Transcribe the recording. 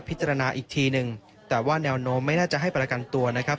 อีกทีหนึ่งแต่ว่าแนวโน้มไม่น่าจะให้ประกันตัวนะครับ